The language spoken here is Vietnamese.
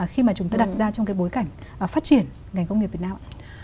khi mà chúng ta đặt ra trong cái bối cảnh phát triển ngành công nghiệp việt nam ạ